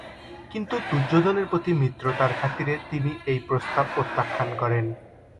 কিন্তু দুর্যোধনের প্রতি মিত্রতার খাতিরে তিনি এই প্রস্তাব প্রত্যাখ্যান করেন।